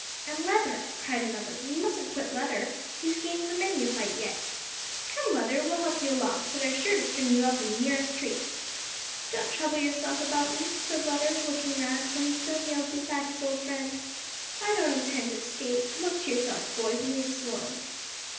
"An' Leather!" cried another. "We mustn't quit Leather. He's game for many a fight yet. Come, Leather; we'll help you along, for they're sure to string you up on the nearest tree." "Don't trouble yourself about me," said Leather, looking round, for he still kneeled beside his old friend, "I don't intend to escape. Look to yourselves, boys, an' leave us alone."